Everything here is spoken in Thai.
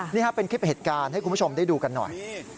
นี่ครับเป็นคลิปเหตุการณ์ให้คุณผู้ชมได้ดูกันหน่อย